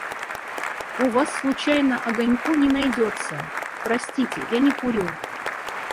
«У вас случайно огоньку не найдется?» — «Простите, я не курю».